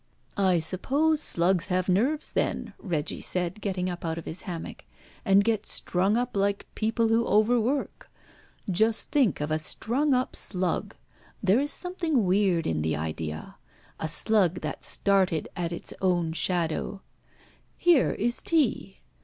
"I suppose slugs have nerves, then," Reggie said, getting up out of his hammock, "and get strung up like people who over work. Just think of a strung up slug! There is something weird in the idea. A slug that started at its own shadow. Here is tea!